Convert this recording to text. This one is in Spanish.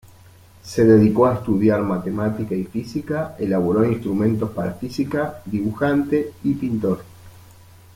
Se dedicó a estudiar matemática y física, elaboró instrumentos para física, dibujante y pintor.